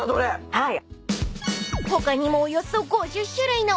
はい。